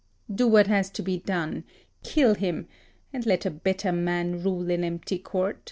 _] Do what has to be done: Kill him, and let a better man rule in empty court."